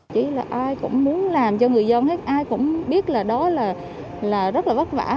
chỉ là ai cũng muốn làm cho người dân ai cũng biết là đó là rất là vất vả